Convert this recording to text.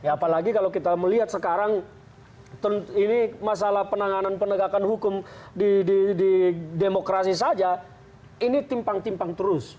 apalagi kalau kita melihat sekarang ini masalah penanganan penegakan hukum di demokrasi saja ini timpang timpang terus